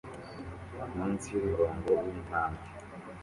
Munsi yumurongo wintambwe